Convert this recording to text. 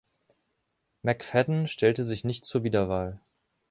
McFadden stellte sich nicht zur Wiederwahl.